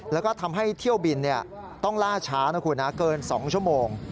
แล้วก็ทำให้เที่ยวบินต้องล่าช้านะคุณนะเกิน๒ชั่วโมง